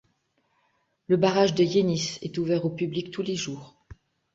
Le barrage de Yenice est ouvert au public tous les jours.